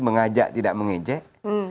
mengajak tidak mengejek